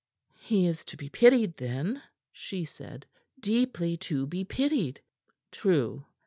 "He is to be pitied then," she said, "deeply to be pitied." "True.